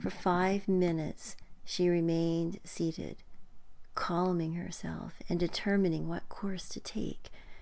For five minutes she remained seated, calming herself and determining what course to take.